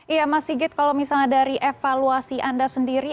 iya mas sigit kalau misalnya dari evaluasi anda sendiri